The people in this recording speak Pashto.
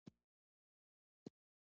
اداره د عامه چارو سمون تضمینوي.